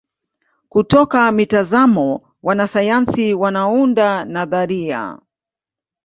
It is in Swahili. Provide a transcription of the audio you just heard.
Kutoka mitazamo wanasayansi wanaunda nadharia.